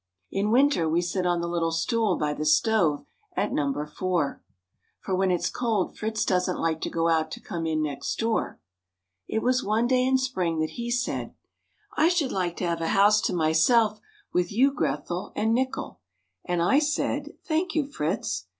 In winter we sit on the little stool by the stove at number four; For when it's cold Fritz doesn't like to go out to come in next door. It was one day in spring that he said, "I should like to have a house to myself with you Grethel, and Nickel." And I said, "Thank you, Fritz."